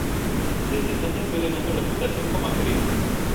Desde entonces fue ganando reputación como actriz.